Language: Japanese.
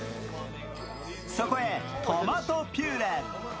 そこへトマトピューレ。